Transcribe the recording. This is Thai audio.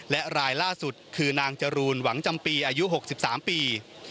และรายล่าสุดคือนางจรูนหวังจำปีอายุ๖๓ปี